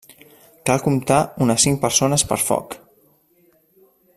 Cal comptar unes cinc persones per foc.